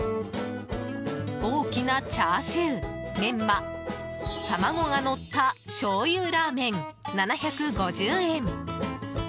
大きなチャーシューメンマ、卵がのったしょうゆラーメン、７５０円。